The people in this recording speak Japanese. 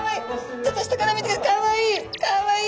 ちょっと下から見てかわいい！